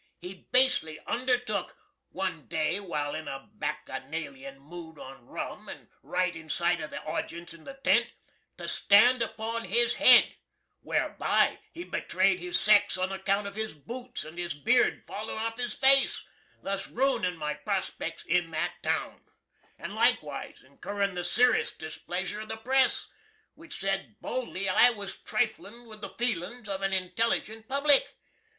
He basely undertook (one day while in a Backynalian mood on rum & right in sight of the aujience in the tent) to stand upon his hed, whareby he betray'd his sex on account of his boots & his Beard fallin' off his face, thus rooinin' my prospecks in that town, & likewise incurrin' the seris displeasure of the Press, which sed boldly I was triflin with the feelin's of a intelligent public.